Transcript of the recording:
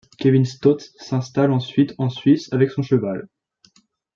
Kevin Staut s'installe ensuite en Suisse avec son cheval.